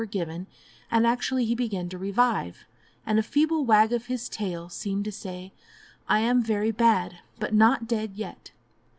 were given, and actually he began to revive, and a feeble wag of his tail, seemed to say, "I'm very bad, but not dead yet."